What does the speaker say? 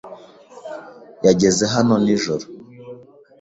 Yageze hano nijoro.